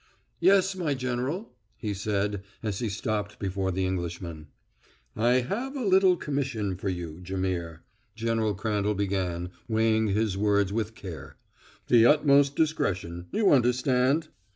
"Yes, my General," he said, as he stopped before the Englishman. "I have a little commission for you, Jaimihr," General Crandall began, weighing his words with care. "The utmost discretion you understand?"